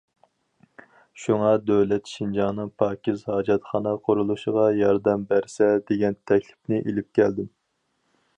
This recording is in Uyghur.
شۇڭا دۆلەت شىنجاڭنىڭ پاكىز ھاجەتخانا قۇرۇلۇشىغا ياردەم بەرسە، دېگەن تەكلىپنى ئېلىپ كەلدىم.